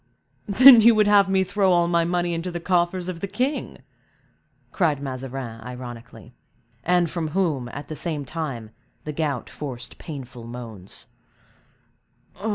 "Then, you would have me throw all my money into the coffers of the king!" cried Mazarin, ironically; and from whom, at the same time the gout forced painful moans.